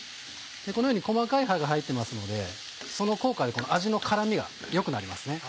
このように細かい葉が入ってますのでその効果で味の絡みが良くなりますね。